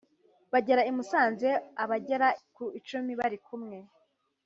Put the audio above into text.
bagera i Musanze abagera ku icumi bari kumwe